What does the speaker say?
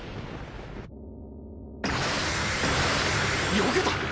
よけた？